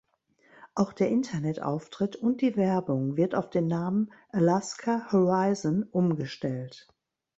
Auch der Internetauftritt und die Werbung wird auf den Namen Alaska Horizon umgestellt.